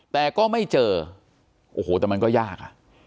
แต่ก็ไม่เจอโอ้โหแต่มันก็ยากอ่ะ